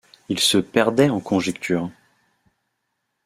Il se perdait en conjectures